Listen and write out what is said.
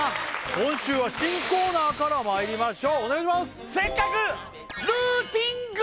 今週は新コーナーからまいりましょうお願いしますよいしょ！